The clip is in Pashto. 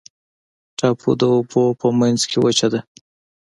ټاپو د اوبو په منځ کې وچه ده.